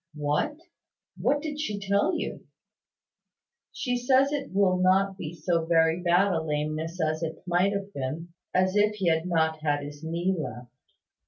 "What? What did she tell you?" "She says it will not be so very bad a lameness as it might have been as if he had not had his knee left.